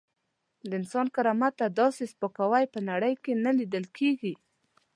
د انسان کرامت ته داسې سپکاوی په نړۍ کې نه لیدل کېږي.